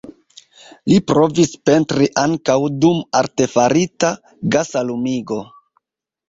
Li provis pentri ankaŭ dum artefarita, gasa lumigo.